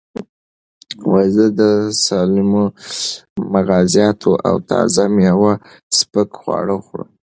زه د سالمو مغزیاتو او تازه مېوو سپک خواړه خوښوم.